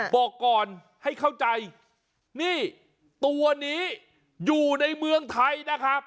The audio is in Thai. บอกก่อนให้เข้าใจนี่ตัวนี้อยู่ในเมืองไทยนะครับ